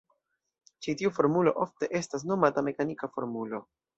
Ĉi tiu formulo ofte estas nomata mekanika formulo.